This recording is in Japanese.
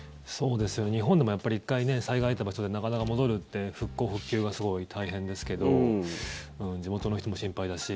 日本でもやっぱり１回、災害あった場所でなかなか戻るって復興・復旧がすごい大変ですけど地元の人も心配だし。